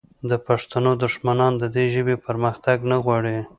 د پښتنو دښمنان د دې ژبې پرمختګ نه غواړي